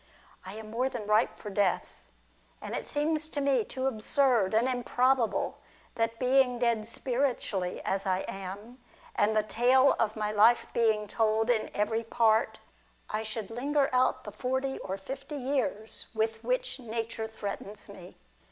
I am more than ripe for death, and it seems to me too absurd and improbable, that being dead spiritually, as I am, and the tale of my life being told in every part, I should linger ' out the forty or fifty years with which Nature threatens me.